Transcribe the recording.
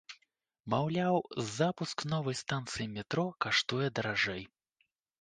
Маўляў, запуск новай станцыі метро каштуе даражэй.